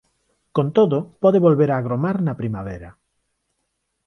Con todo pode volver a agromar na primavera.